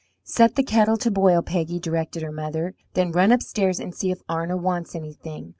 "Set the kettle to boil, Peggy," directed her mother; "then run upstairs and see if Arna wants anything.